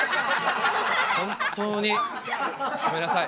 本当にごめんなさい。